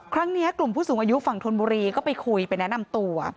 ครั้งนี้กลุ่มผู้สูงอายุฝั่งธนบุรีก็ไปคุยไปแนะนำตัว